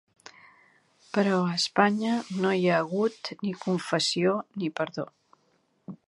Però a Espanya no hi ha hagut ni confessió ni perdó.